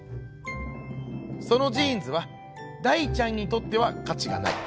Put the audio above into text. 「そのジーンズは大ちゃんにとっては価値がない」。